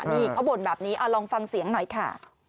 นี่เขาบ่นแบบนี้ลองฟังเสียงหน่อยค่ะ